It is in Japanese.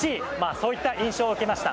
そういった印象を受けました。